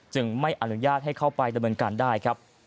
ไม่อนุญาตให้เข้าไปดำเนินการได้ครับ